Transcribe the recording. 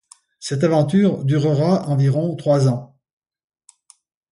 Cette aventure durera environ trois ans.